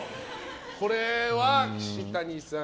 これは岸谷さん